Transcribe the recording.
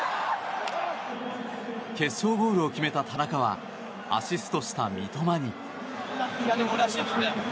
決勝ゴールを決めた田中はアシストした三笘に。